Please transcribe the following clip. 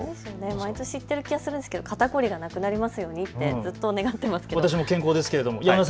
毎年言ってる気がするんですけど肩凝りがなくなりますようにと願っていますけど。